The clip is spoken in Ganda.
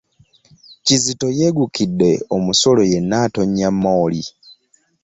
Kizito yegukidde omusulo yenna attonya mmooli.